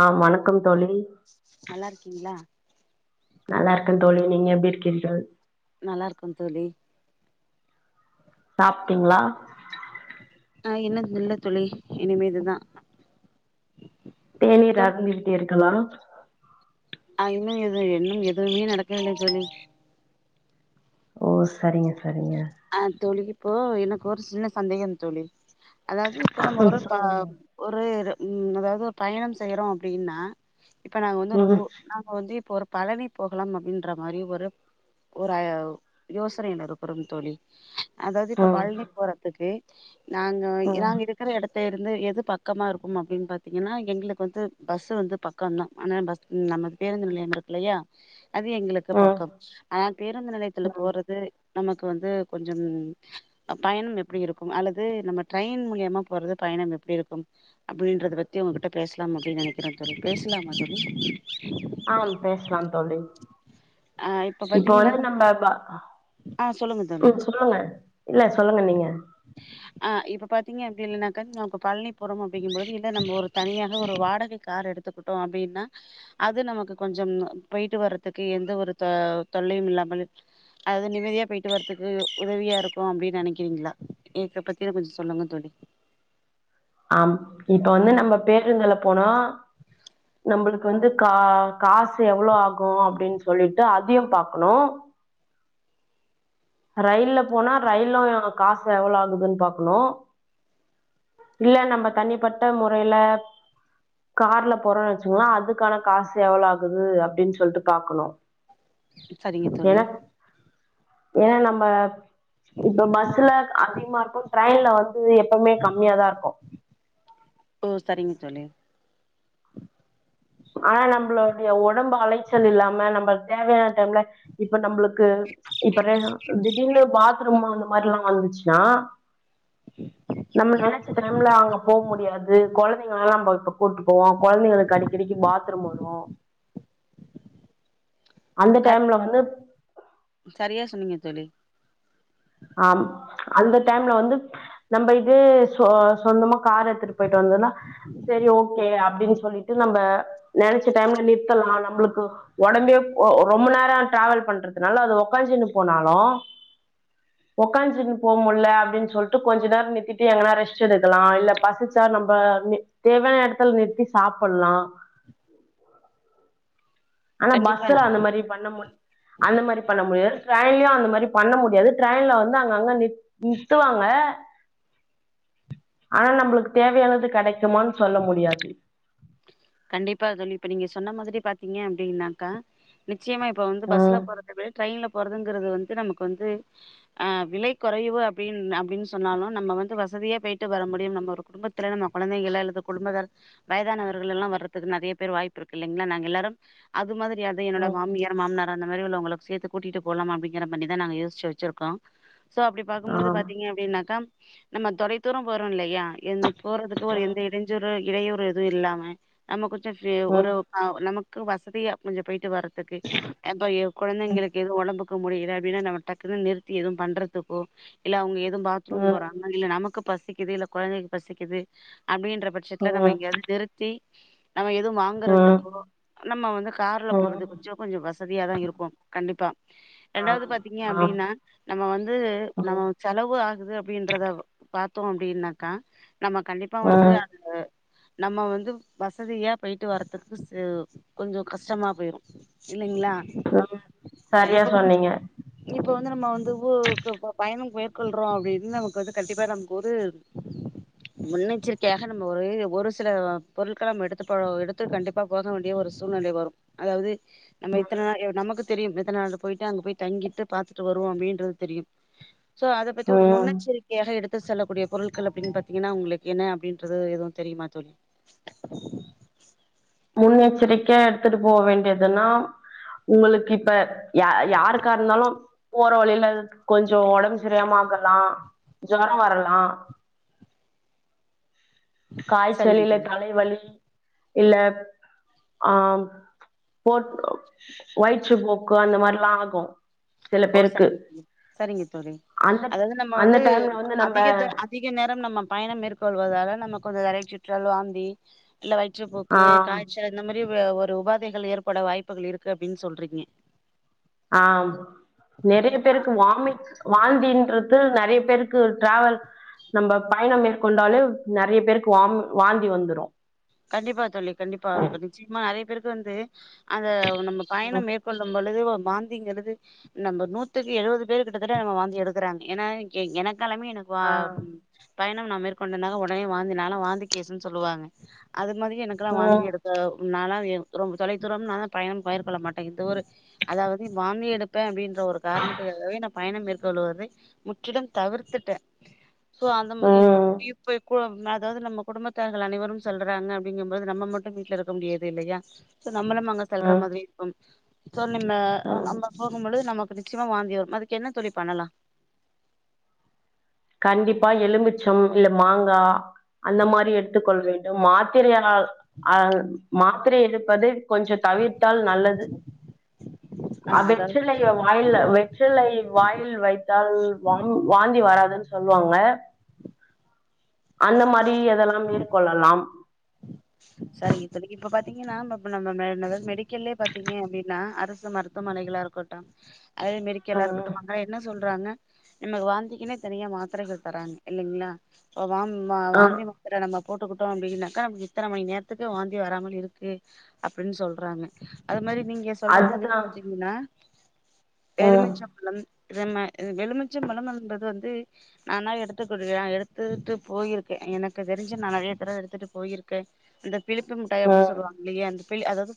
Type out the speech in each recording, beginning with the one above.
ஆ வணக்கம் தோழி நல்லார்க்கீங்ளா நல்லார்க்கே தோழி நீங்க எப்டி இருக்கீர்கள் நல்லார்க்கே தோழி சாப்ட்டீங்ளா ஆ இன்னு இல்ல தோழி இனிமேதுதா தேநீர் தோழி அருந்தி விட்டீர்களா அ இன்னு எது இன்னும் எதுவுமே நடக்கவில்லை தோழி ஓ சரிங்க சரிங்க ஆ தோழி இப்போ எனக்கு ஒரு சின்ன சந்தேகம் தோழி அதாவ்து இப்போ நம்ம ம் ஒரு ப சொல்லுங்க ஒரு எதோ ம் அதாவ்து ஒரு பயணம் செய்யறோ அப்டினா இப்ப நாங்க வந்து ஒரு ம் ஊ நாங்க வந்து இப்ப ஒரு பழனி போகலாம் அப்டின்ற மாரி ஒரு ஒரு ஆய்வ் யோசனைலிருக்கறம் தோழி அதாவ்து இப்ப ம் பழ்னி போறதுக்கு நாங்க ம் நாங்க இருக்கிற எடத் துலருந்து எது பக்கமாக இருக்கும் அப்டின் பாத்தீங்கன்னா எங்களுக்கு வந்து பஸ்ஸு வந்து பக்கந்தா ஆனா பஸ் நமது பேருந்து நிலையம் இருக்கில்லையா அது எங்களுக்கு ம் பக்கம் ஆனா பேருந்து நிலையத்துல ம் போறது நமக்கு வந்து கொஞ்சம் பயணம் எப்டி இருக்கும் அல்லது நம்ம ட்ரைன் மூலியமா போறது பயணம் எப்டி இருக்கும் அப்டின்றத பத்தி உங்கிட்ட பேஸ்லாம் அப்டின் நெனைக்கிறே தோழி பேஸ்லாமா தோழி ஆ பேஸ்லாம் தோழி இப்ப வந்து நம்ம பா அ ஆஹ் சொல்லுங்க தோழி ம் சொல்லுங்க இல்ல சொல்லுங்க நீங்க ஆ இப்போ பாத்தீங்க அப்டி இல்லனாக்கா நா இப்ப பழ்னி போறோம் அப்டிங்கும்பொழுது இல்ல நம்ம ஒரு தனியாக ஒரு வாடகை கார் எடுத்துக்குட் டோ அப்டினா அது நமக்கு கொஞ்சம் போய்ட்டு வரத் துக்கு எந்த ஒரு த தொல்லையும் இல்லாமல் அது நிம்மதியா போய்ட்டு வரத்துக்கு உதவியா இருக்கு அப்டின் நெனைக்கிறீங்ளா ஈக்க பத்தி எனக் கொஞ்ச சொல்லுங்க தோழி ஆம் இப்ப வந்து நம்ம பேருந்துல போனா நம்பளுக்கு வந்து கா காசு எவ்ளோ ஆகு அப்டின் சொல்லிட்டு அதையு பாக்கணு ரயில்ல போனா ரயில்லு காசு எவளோ ஆகுதுன் பாக்கணு இல்ல நம்ப தனிப்பட்ட முறைல கார்ல போறோன் வெச்சுங்ளே அதுக்கான காசு எவளோ ஆகுது அப்டின் சொல்ட்டு பாக்கணு சரிங்க தோழி ஏன்னா ஏன்னா நம்ப இப்ப பஸ்ல அதிகமா இருக்கு ட்ரெயின்ல வந்து எப்பமே [unintelligible] ஓ சரிங்க தோழி ஆனா நம்பளுடைய ஒடம்பு அலைச்சல் இல்லாம நம்ப தேவையான டைம்ல இப்ப நம்ளுக்கு இப்ப திடீர்னு பாத்ரூமு அந் மாரிலா வந்துச்சுன்னா நம்ம நெனைச்ச டைம்ல அங்க போ முடியாது கொழந்தைங்க எல்லா நம்ப இப்ப கூட்டு போவோ கொழந்தைங்களுக்கு அடிக்கடிக்கி பாத்ரூம் வரு அந்த க டைம்ல வந்து சரியா சொன்னீங்க தோழி ஆம் அந்த டைம்ல வந்து நம்ம இதே சொந்தமா கார் எத்துட்டு போயிட்டு வந்தன்னா செரி ஓகே அப்டின்னு சொல்லிட்டு நம்ப நெனைச்ச டைம்ல நிறுத்தலா நம்பளுக்கு ஒடம்பே ரொம்ப நேரோ டிராவல் பண்றதுனால அது உக்காசின்னு போனாலு உக்காச்சின்னு போக முடில அப்டின்னு சொல்லிட்டு கொஞ்ச நேர நித்திட்டு எங்கன்னா ரெஸ்ட் எடுக்கலா இல்ல பசிச்சா நம்ப தேவையான எடத்துல நிறுத்தி சாப்பல்லா ஆனா கண்டிப்பா பஸ்சுல அந்த மாரி பண்ண மு அந்த மாரி பண்ண முடியாது டிரெய்ன்லயு அந்த மாரி பண்ண முடியாது ட்ரெய்ன்ல வந்து அங்க நிருத்துவாங்க ஆனா நம்பளுக்கு தேவையானது கெடைக்குமான்னு சொல்ல முடியாது கண்டிப்பா தோழி இப்ப நீங்க சொன்ன மாதிரி பாத்தீங்க அப்டின்னாக்கா நிச்சயமா இப்ப வந்து பஸ்ல ம் போறது விட ட்ரெயின்ல போறதுங்கிறது வந்து நமக்கு வந்து ஆ விலை கெறைவு அப்டின்னு அப்டின்னு சொன்னாலு நம்ம வந்து வசதியே போயிட்டு வர முடியு நம்ம ஒரு குடும்பத் தில கொழந்தைகள அல்லது [unintelligible] வயதானவர் ல்லா வர்றதுக்கு நெறைய பேர் வாய்ப்பு இருக்கு இல்லிங்களா நாங்க எல்லாரு அது மாதிரி அத்தா என்னோட ம் மாமியார் மாமனார் அந்த மாரி உள்ளவங்கள சேத்து கூட்டிட்டு போலா அப்டிங்கிற மாரிதா நாங்க யோசிச்சி வெச்சிருக்கோ சோ அப்டி பாக்கு போது ஆம் பாத்தீங்க அப்டின்னாக்கா நம்ம தொலை தூர போறோ இல்லயா போறதுக்கு ஒரு எந்த இடைஞ்சொரு இடையூறு எது இல்லாம நம்ம கொஞ்சோ ம் ஒரு ம் ஆ நமக்கு வசதியா கொஞ்சோ போயிட்டு வர்றதுக்கு அப்ப கொழந்தைங்களுக்கு எது ஒடம்புக்கு முடில அப்டின்னா நம்ம டக்குனு நிறுத்தி எது பண்றதுக்கோ இல்ல அவங்க எது பாத்ரூம் ம் போறாங்க இல்ல நமக்கு பசிக்குது இல்ல கொழந்தைக்கு பசிக்குது அப்டின்ற பட்சத்தில நம்ம ம் எங்கயாவது நிறுத் தி நம்ம எது ம் வாங்குறதுக்கோ நம்ம வந்து கார்ல ம் போறது கொஞ்ச கொஞ்சோ வசதியாதா இருக்கு கண்டிப்பா இரண்டாவது ஆம் பாத்தீங்க ஆம் அப்டின்னா நம்ம வந்து நம்ம ம் செலவு ஆகுது அப்டின்றத பாத்தோ அப்டின்னாக்கா நம்ம கண்டிப்பா ம் வந்து ம் அந்த நம்ம வந் து வசதியா போயிட்டு வர்றதுக்கு கொஞ்சோ கஷ்டமா போயிரு இல்லிங்ளா ஆ சரியா இப்ப வந்து சொன்னீங்க இப்ப வந்து நம்ம வந்து [unintelligible] பயணம் மேற்கொள்றோ அப்டின்னு நமக்கு வந்து கண்டிப்பா நமக்கு ஒரு முன்னெச்சரிக்கையாக நம்ம ஒரு ஒரு சில பொருட்கள நம்ம எடுத்து போ எடுத்து கண்டிப்பாக போக வேண்டிய ஒரு சூழ்நிலை வரு அதாவது நம்ம இத்தன [unintelligible] நமக்கு தெரியு எத்தன நாள் போயிட்டு அங்க போய் தங்கிட்டு பாத்திட்டு வருவோ அப்டின்றது தெரியு சோ அத பத்தி ஒரு ம் முன்னெச்செரி கியா எடுத்து செல்லக்கூடிய பொருட்கள் அப்டின்னு பாத்தீங்ன்னா உங்களுக்கு என்ன அப்டின்றது எதுவு தெரியுமா தோழி முன்னெச்சரிக்கையா எடுத்துட்டு போ வேண்டியதுனா உங்களுக்கு இப்ப அ யா யாருக்கா இருந்தாலு போற வழிலக்கு கொஞ்சோ உடம்பு சரியமாகலா ஜுரோ வரலா காய்ச்சல் சரிங்க இல்ல தோழி தலைவலி இல்ல ஆம் போட்ரோ வயிற்றுப்போக்கு அந்த மாரிலா ஆகு சில ஓ பேருக்கு சரிங்க தோழி அந்த அந்த டைம்ல வந்து நம்ம அதிக நேரோ நம்ம பயணோ மேற்கொள்வதால நம்ம கொஞ்சோ தலை சுற்றல் வாந்தி இல்ல ஆ வயிற்றுப்போக்கு காய்ச்சல் இந்த மாரி வ ஒரு உபாதைகள் ஏற்பட வாய்ப்புகள் இருக்கு அப்டின்னு சொல்றங்க ஆம் நெறைய பேருக்கு வாமி்ட் வாந்தின்றது நெறைய பேருக்கு ட்ராவல் நம்ப பயணம் மேற்கொண்டாலே நெறைய பேருக்கு வாம் வாந்தி வந்துரு கண்டிப்பா தோழி கண்டிப்பா நிச்சயமா நெறைய பேருக்கு வந்து அந்த நம்ம பயணம் ம் மேற் கொல்லும் பொழுதுதோ வாந்திங்கிறது நம்ம நூத்துக்கு எழுபது பேர் கிட்டத்தட்ட நம்ம வாந்து எடுக்கறாங்க ஏனா எனக்கெல்லாமே எனக் ஆ வாம் பயணம் நா மேற்கொண்டேனாங்க உடனே வாந்தினால நாலா வாந்த கேசன்னு சொல்லுவாங்க அது மாதிரி எனக்கெல்லா வாந்தி ம் எடுத்த நானாலா ரொம்ப தொலைதூரம் நால தா பயணம் பயிர்கொள்ள மாட்ட இது ஒரு அதாவது வாமி எடுப்ப அப்டின் ஒரு காரணத்துக்காகவே நா பயணோ மேற்கொள்வதை முற்றிலும் தவிர்த்திட்ட சோ அந்தமறியே ம் இப்பே குலம் அதாவது நம்ம குடும்பத்தார்கள் அனைவரும் சொல்றாங்க அப்டிங்கும்போது நம்ம மட்டு வீட்ல இருக்க முடியாது இல்லயா சோ நம்மளு அங்க செல்ற ம் மாறி இருக்கும் சோர் நிம்ம ஆ ம் நம்ப போகும்பொழுது நமக்கு நிச்சயமா வாந்தி வரு அதுக்கு என்ன தோழி பண்ணலா கண்டிப்பா எலுமிச்சம் இல்ல மாங்கா அந்த மாரி எடுத்துக்கொள்ள வேண்டும் மாத் தெரி ஆனால் அ அது மாத்திரை எடுப்பது கொஞ்சோ தவிர்த்தால் நல்லது அ அவ் அதாவது வெற்றிலையோவோ வாயில்ல வெற்றிலை வாயில் வைத்தால் வாம் வாந்தி வராதுன்னு சொல்லுவாங்க அந்த மாறி எதெல்லா மேற்கொள்ளலாம் சரிங்க தோழி இப்ப பாத்தீங்கன்னா நம்ம [unintelligible] மெடிக்கல்லே பாத்தீங்க அப்டின்னா அரசு மருத்துவமனைகளா இருக்கு கொட்டம் அதே மாரி எல்லாரு ம் இருகட்டுப்பாங்க என்ன சொல்றாங்க நமக்கு வாந்திக்கனே தனியா மாத்திரைகள் தராங்க இல்லங்ளா இப்ப வாம்ம ஆ வாந்தி மாத்தர நம்ம போட்டுக்கிட்டோ அப்டின்னாக்க அப்டி எத்தன மணி நேரத்துக்கு வாந்தி வராமல் இருக்கு அப்டின்னு சொல்றாங்க அது மாறி நீங்க சொல்ற மாறி அதுதான் பாத்தீங்கன்னா ம் எலுமிச்சம்பழம் ரம்ம வெலுமிச்ச பழம் என்பது வந்து நானா எடுத்து குடுக்குற எடுத்துட்டு போயிருக்கே எனக்கு தெரிஞ்ச நா நறைய தடவ எடுத்துட்டு போயிர் க அந்த பிளிப்பு முட்டாய் அப்டி ம் சொல்லுவாங்க இல்லயே அந்த பில்லு அதாவது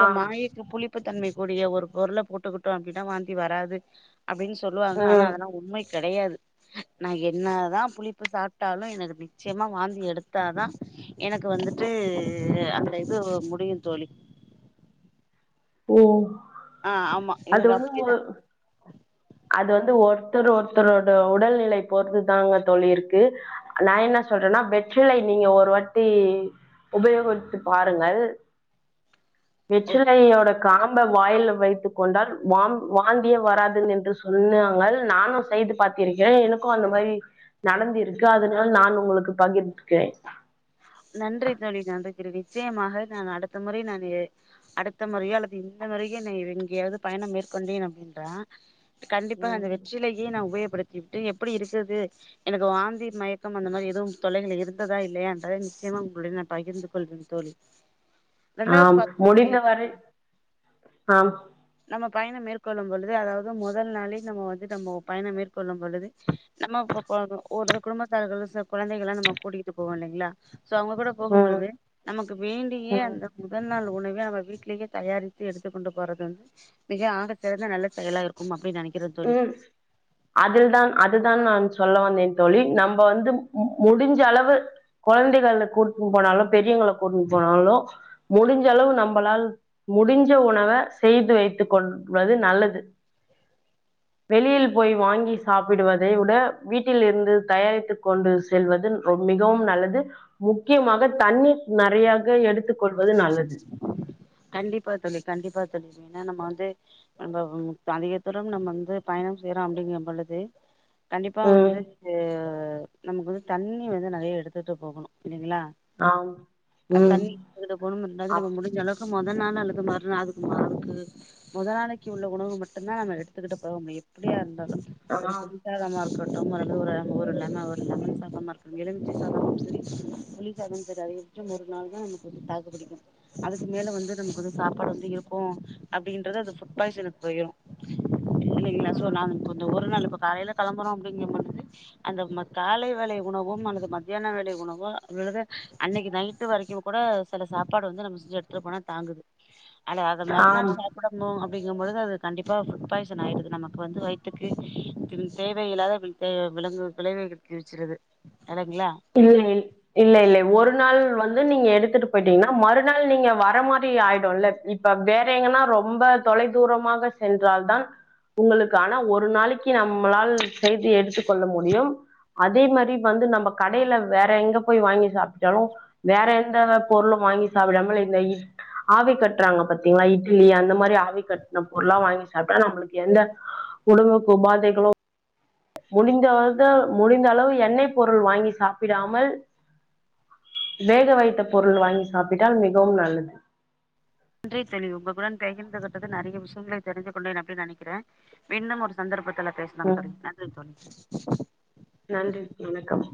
ஆ மாய் புளிப்புத்தன்மை கூடிய ஒரு பொருள போட்டுக்கிட்டோ அப்டின்னா வாந்தி வராது அப்டின்னு சொல்லுவாங்க ஆனா ம் அதெல்லா உண்மை கெடையாது நா என்னதா புளிப்பு சாப்டாலு எனக்கு நிச்சயமா வாந்தி எடுத்தாதா எனக்கு வந்துட்டு அந்த இது முடியு தோழி ஓ ஆ ஆமா அது எனக்கு வந்து மூவ அப்டிதா அது வந்து ஒருத்தர் ஒருத்தரோட உடல்நிலை போறுதுதாங்க தோழி இருக்கு நா என்ன சொல்றனா வெற்றிலை நீங்க ஒருவாட்டி உபயோகத்து பாருங்கள் வெற்றிலை யோட காம்ப வாயில வைத்து கொண்டால் வா வாந்தியே வராது என்று சொன்னாங்கள் நானும் செய்து பாத்து இருக்கிறேன் எனக்கு அந்த மாறி நடந்த இருக்கு அதனால் நான் உங்களுக்கு பகிர்க்கிறேன் நன்றி தோழி நன்றி நிச்சயமாக நான் அடுத்த முறை நான் அடுத்த முறையோ அல்லது இந்த முறையே நீ எங்கேயாவது பயணம் மேற்கொண்டேன் அப்டின்றான் கண்டிபா ம் அந்த வெற்றிலேயே நான் உபயோகப்படுத்தி விட்டு எப்டி இருக்குது எனக்கு வாந்தி மயக்கம் அந்த மாதிரி எதுவு தொல்லைகள் இருந்ததா இல்லயான் நிச்சயமா உங்களுடன் நான் பகிர்ந்து கொள்வேன் தோழி ரெண்டாவது ஆம் பாத்தோம் அப்டின்னா முடிந்தவரை க ஆம் நம்ம பயணம் மேற்கொள்ளும் பொழுது அதாவது முதல் நாளே நம்ம வந்து நம்ம பயணம் மேற்கொள்ளும் பொழுது நம்ம இப்ப ஒரு குடும்பத்தார்கள் சில குழந்தை எல்லாம் நம்ம கூட்டிகிட்டு போவோம் இல்லைங்களா சோ அவங்க கூட ம் போகும்போழுது நமக்கு வேண்டியே ம் அந்த முதல் நாள் உணவே அவ வீட்லயே தயாரித்து எடுத்துக் கொண்டு போறது வந்து மிக ஆக சிறந்த நல்ல செயலா இருக்கும் அப்படின்னு நினைக்கிறேன் தோழி அதில் தான் அதுதான் நான் சொல்ல வந்தேன் தோழி நம்ம வந்து முடிஞ்ச அளவு குழந்தைகள கூட்டுன்னு போனாலும் பெரியவங்கள கூட்டின்னு போனாலோ முடிஞ்சளவு நம்மளால் முடிஞ்ச உணவ செய்து வைத்து கொள்வது நல்லது வெளியில் போய் வாங்கி சாப்பிடுவதை விட வீட்டில் இருந்து தயாரித்து கொண்டு செல்வது ரொ மிகவும் நல்லது முக்கியமாக தண்ணீர் நிறையாக எடுத்துக்க கொள்வது நல்லது கண்டிபா தோழி கண்டிபா தோழி ஏன்னா நம்ம வந்து நம்ம அதிக தூரம் நம்ம வந்து பயணம் செய்றோம் அப்டிங்கம் பொழுது கண்டிபா ம் வந்து நமக்கு வந்து தண்ணி வந்து நிறைய எடுத்துட்டு போகணும் இல்லங்களா ஆம் அ ம் தண்ணி அதுல போனு ரெண்டாவது நம்ம அப் முடிஞ்ச அளவுக்கு முதல் நாள் அல்லது மறுநாள் அதுக்கு மா இருக்கு முத நாளைக்கு உள்ள உணவு மட்டுதான் நம்ம எடுத்துகிட்டு போவ முடியும் எப்டியா இருந்தாலும் ஒரு பு ஆம் ளி சாதமா இருக்கட்டும் ஒரு ஒரு லெம ஒரு லெமன் சாதமா இருக்கட்டும் எலுமிச்ச சாதமும் சரி லெமன் சோறு அது ஒரு நாள் தான் நமக்கு தாக்கு பிடிக்கும் அதுக்கு மேல வந்து நமக்கு வந்து சாப்பாடு வந்து இரு க்கும் அப்டின்றது அது ஃபுட் பாய்சனுக்கு போயிரும் இல்லைங்களா சோ நான் கொஞ்சம் ஒரு நாள் இப்ப காலையில கிளம்புறோம் அப்டிங்கம் பொழுது அந்த காலை வேலை உணவும் அல்லது மத்தியான வேலை உணவோ அல்லது அன்னைக்கு நைட்டு வரைக்கும் கூட சில சாப்பாடு வந்து நம்ம செஞ்ச எடுத்துட்டு போனா தாங்குது அல்ல அத ஆம் மறுநள் ச டமும் அப்டிங்கும் பொழது அது கண்டிபா ஃபுட் பாய்சன் ஆயிடுது நமக்கு வந்து வயித்துக்கு இது தேவ இல்லாத இப்ப விலங் விளைவக வச்சிருது இலைங்களா இல்லை இல்ல இல்ல ஒரு நாள் வந்து நீங்க எடுத்துட்டு போயிட்டீங்கன்னா மறுநாள் நீங்க வர மாறி ஆயிடும்ல்ல இப்ப வேற எங்கன்னா ரொம்ப தொலைதூரமாக சென்றால்தான் உங்களுக்கான ஒரு நாளைக்கு நம்மளால் செய்தி எடுத்து கொள்ள முடியும் அதே மாறி வந்து நம்ப கடையில வேற எங்க போய் வாங்கி சாப்ட்டாலும் வேற எந்த பொருளும் வாங்கி சாப்பிடாமல் இந்த ஆவி கட்றாங்க பாத்தீங்களா இட்லி அந்த மாதிரி ஆவி கட்டு பொருளாம் வாங்கி சாப்ட்டா நம்மளுக்கு எந்த உடம்புக்கு உபாதைகளும் முடிந்தது முடிந்த அளவு எண்ணெய் பொருள் வாங்கி சாப்பிடாமல் வேக வைத்த பொருள் வாங்கி சாப்பிட்டால் மிகவும் நல்லது நன்றி தோழி உங்களுடன் பகிர்ந்து கொண்ட நிறைய விஷயங்கல தெரி்ந்து கொண்டேன் அப்டின்னு நெனைக்கிறேன் மீண்டும் ஒரு சந்தர்ப்பத்துல பேசலாம் ம் தோழி நன்றி தோழி நன்றி வணக்கம்